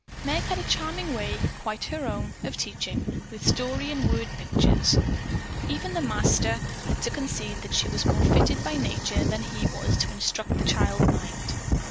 Meg had a charming way, quite her own, of teaching, with story and word pictures. Even the master had to concede that she was more fitted by nature than he was to instruct the child mind.